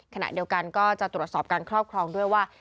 ขณะเดียวกันก็จะตรวจสอบการครอบครองด้วยว่า